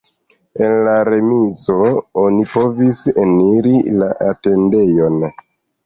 El la remizo oni povis eniri la atendejon.